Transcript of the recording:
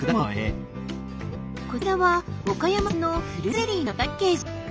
こちらは岡山産のフルーツゼリーのパッケージ。